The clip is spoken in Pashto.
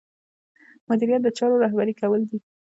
مدیریت د چارو رهبري کول دي.